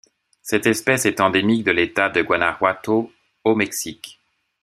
Cette espèce est endémique de l'État de Guanajuato au Mexique.